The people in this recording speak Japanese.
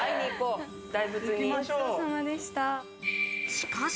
しかし。